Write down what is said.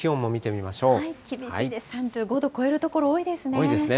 厳しいです、３５度を超える所多いですね。